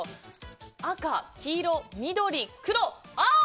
赤、黄色、緑、黒、青！